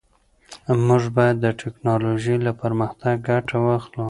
موږ باید د ټیکنالوژۍ له پرمختګ ګټه واخلو.